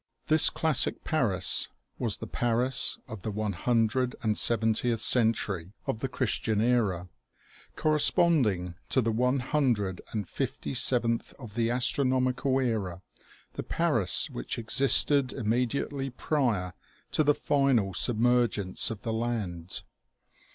This classic Paris was the Paris of the one hundred and seventieth century of the Christian era, corresponding to the one hundred and fifty seventh of the astronomical era the Paris which existed im mediately prior to the final submergence of the land.